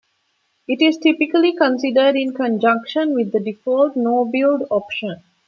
It is typically considered in conjunction with the default "no-build" option.